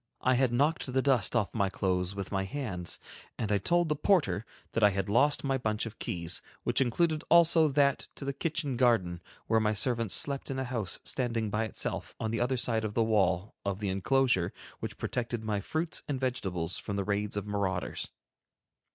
I had knocked the dust off my clothes with my hands, and I told the porter that I had lost my bunch of keys, which included also that to the kitchen garden, where my servants slept in a house standing by itself, on the other side of the wall of the inclosure which protected my fruits and vegetables from the raids of marauders.